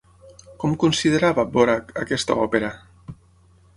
Com considerava Dvořák aquesta òpera?